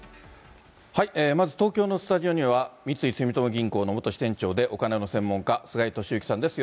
まず、東京のスタジオには、三井住友銀行の元支店長でお金の専門家、菅井敏之さんです。